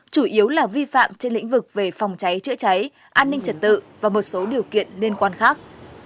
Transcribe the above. chủ yếu là vi phạm trên lĩnh vực về phòng cháy chữa cháy an ninh trật tự và một số điều kiện liên quan khác